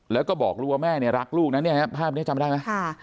แล้วก็บอกรู้ว่าแม่เนี่ยรักลูกนะเนี่ยภาพนี้จำได้ไหม